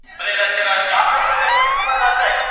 ډيپلوماسي د راتلونکي نړیوالو همکارۍ لپاره سرچینه ده.